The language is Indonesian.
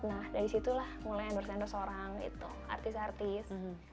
nah dari situlah mulai endorse endorse orang artis artis